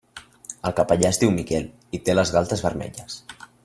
El capellà es diu Miquel i té les galtes vermelles.